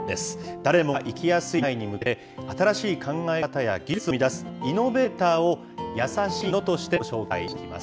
誰もが生きやすい未来に向けて、新しい考え方や技術を生み出すイノベーターを、やさしイノとしてご紹介していきます。